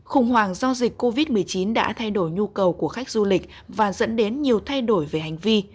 khủng hoảng do dịch covid một mươi chín đã thay đổi nhu cầu của khách du lịch và dẫn đến nhiều thay đổi về hành vi